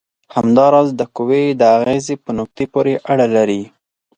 همدا راز د قوې د اغیزې په نقطې پورې اړه لري.